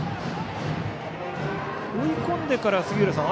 追い込んでから杉浦さん